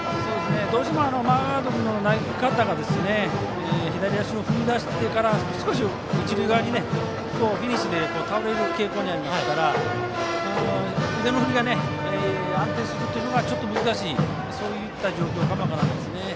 どうしてもマーガード君の投げ方が左足を踏み出してから少し一塁側にフィニッシュで倒れる傾向にありますから腕の振りが安定するのが難しいそういった状況かもしれません。